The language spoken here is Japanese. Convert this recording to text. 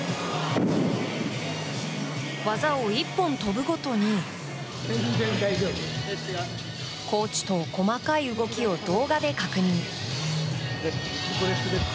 技を１本跳ぶごとに、コーチと細かい動きを動画で確認。